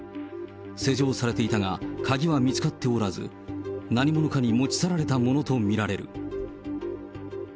施錠されていたが、鍵は見つかっておらず、何者かに持ち去られたものとみられる。